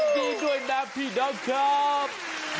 ดีด้วยนะพี่น้องครับ